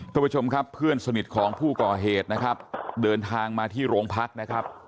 ท่านผู้ชมครับเพื่อนสนิทของผู้ก่อเหตุนะครับเดินทางมาที่โรงพักนะครับ